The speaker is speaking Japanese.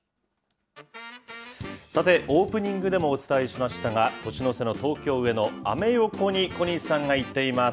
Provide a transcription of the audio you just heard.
さて、オープニングでもお伝えしましたが、年の瀬の東京・上野、アメ横に、小西さんが行っています。